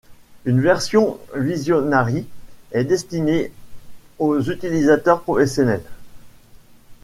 Une version Visionary est destinée aux utilisateurs professionnels.